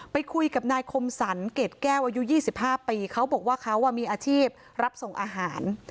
ไปคุยกับนายคมสรรเกร็ดแก้วอายุ๒๕ปีเขาบอกว่าเขามีอาชีพรับส่งอาหาร